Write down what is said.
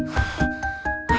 masih belum lacer